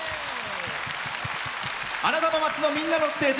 あなたの街の、みんなのステージ。